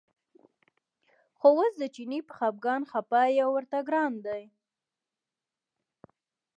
خو اوس د چیني په خپګان خپه یو ورته ګران دی.